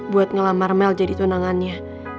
buat ngelamar mel jadi tunangannya